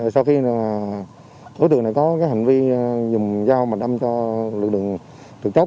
sau khi đối tượng này có hành vi dùng dao bạch âm cho lực lượng thực tốc